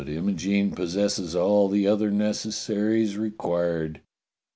"But Imogene possesses all the other necessaries re quired.